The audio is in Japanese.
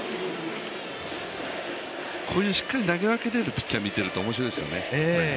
こういうしっかり投げ分けられるピッチャー見ていると面白いですよね。